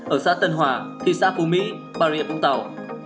ở xã tân hòa thị xã phú mỹ bà rịa vũng tàu